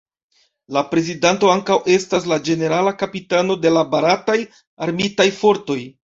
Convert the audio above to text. La Prezidanto ankaŭ estas la Ĝenerala Kapitano de la Barataj Armitaj Fortoj.